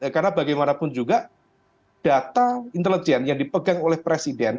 karena bagaimanapun juga data intelijen yang dipegang oleh presiden